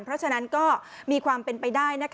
เพราะฉะนั้นก็มีความเป็นไปได้